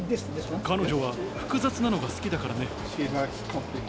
彼女は複雑なのが好きだからね。